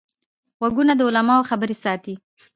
غوږونه د علماوو خبرې ساتي